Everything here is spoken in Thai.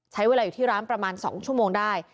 ใช้เวลาอยู่ที่ร้านประมาณ๒ชั่วโมงได้